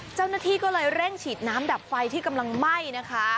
เจ้าหน้าที่ก็เลยเร่งฉีดน้ำดับไฟที่กำลังไหม้นะคะ